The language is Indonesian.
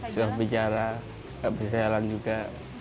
sudah bicara gak bisa jalan juga